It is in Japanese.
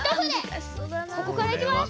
ここからいきます！